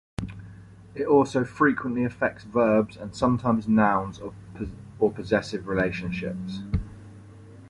It also frequently affects verbs, and sometimes nouns or possessive relationships.